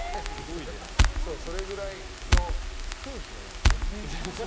それぐらいの空気のようなね。